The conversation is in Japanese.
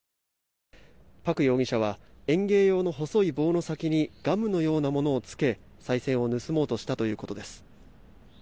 パク容疑者は園芸用の細い棒の先にガムのようなものをつけさい銭を盗もうとしたということです。